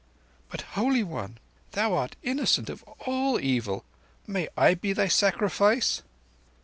"But, Holy One, thou art innocent of all evil. May I be thy sacrifice!"